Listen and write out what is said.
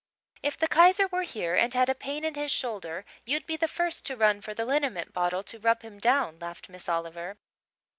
"If the Kaiser were here and had a pain in his shoulder you'd be the first to run for the liniment bottle to rub him down," laughed Miss Oliver.